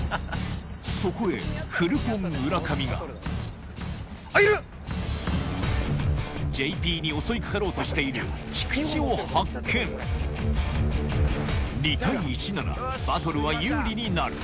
そこへフルポン・村上がＪＰに襲い掛かろうとしている菊池を発見２対１ならバトルは有利になる